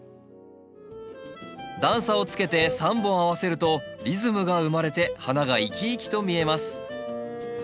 段差をつけて３本合わせるとリズムが生まれて花が生き生きと見えます。